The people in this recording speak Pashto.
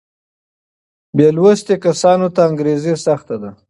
بې لوسته کسانو ته انګرېزي سخته ده.